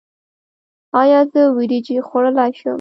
ایا زه وریجې خوړلی شم؟